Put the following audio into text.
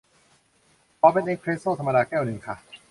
ขอเป็นเอสเพรสโซธรรมดาแก้วนึงค่ะ